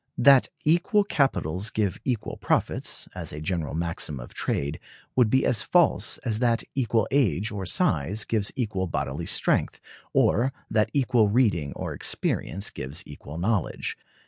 That equal capitals give equal profits, as a general maxim of trade, would be as false as that equal age or size gives equal bodily strength, or that equal reading or experience gives equal knowledge.